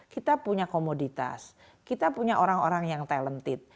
kita punya komoditas kita punya orang orang yang talented